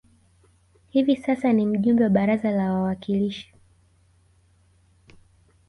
Hivi sasa ni mjumbe wa baraza la wawakilishi